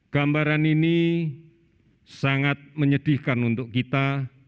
gambaran ini sangat menyedihkan untuk kita